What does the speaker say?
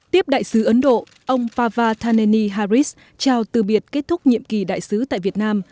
tiếp đại sứ ấn độ ông pavardhaneni haris trao tư biệt kết thúc nhiệm kỳ đại sứ tại việt nam